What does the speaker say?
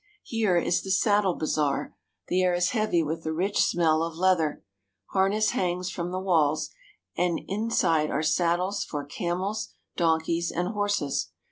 Here is the saddle bazaar. The air is heavy with the rich smell of leather. Harness hangs from the walls, and in side are saddles for camels, donkeys, and horses.